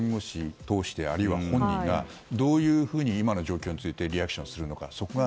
このあと福原さんが弁護士を通してあるいは本人がどういうふうに今の状況についてリアクションするのか。